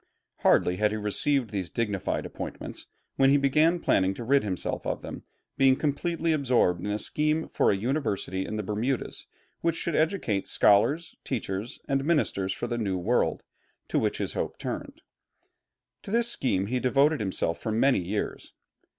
Hardly had he received these dignified appointments when he began planning to rid himself of them, being completely absorbed in a scheme for a University in the Bermudas, which should educate scholars, teachers, and ministers for the New World, to which his hope turned. To this scheme he devoted himself for many years.